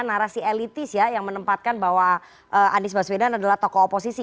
narasi elitis ya yang menempatkan bahwa anies baswedan adalah tokoh oposisi